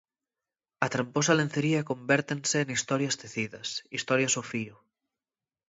A tramposa lencería convértense en historias tecidas, historias ao fío.